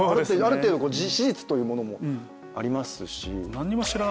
ある程度史実というものもありますし。